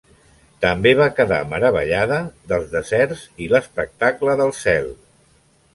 També va quedar meravellada dels deserts i l'espectacle del cel.